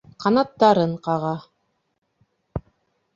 Ҡанаттарын ҡаға.